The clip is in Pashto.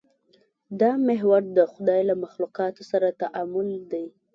دا محور د خدای له مخلوقاتو سره تعامل دی.